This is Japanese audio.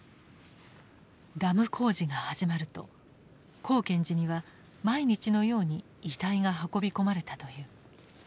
ダム工事が始まると光顕寺には毎日のように遺体が運び込まれたという。